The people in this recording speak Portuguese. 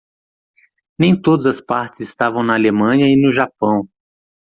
Nem todas as partes estavam na Alemanha e no Japão.